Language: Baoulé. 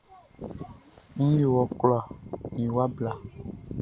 Nʼyo wɔ kula mi wa bla.